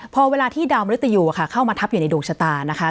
พอเวลาที่ดาวมริตยูเข้ามาทับอยู่ในดวงชะตานะคะ